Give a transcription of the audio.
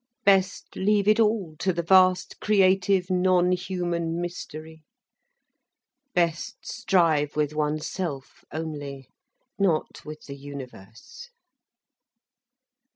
Best leave it all to the vast, creative, non human mystery. Best strive with oneself only, not with the universe.